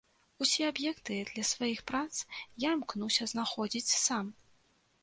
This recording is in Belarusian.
Усе аб'екты для сваіх прац я імкнуся знаходзіць сам.